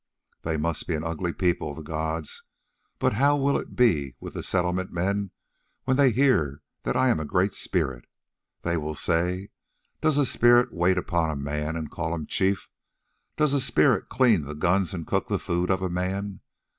They must be an ugly people, the gods! But how will it be with the Settlement men when they hear that I am a great spirit? They will say: 'Does a spirit wait upon a man and call him chief? Does a spirit clean the guns and cook the food of a man?